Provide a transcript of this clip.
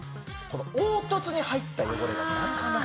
この凹凸に入った汚れがなかなか取れない。